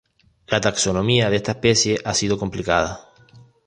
La taxonomía de esta especie ha sido complicada.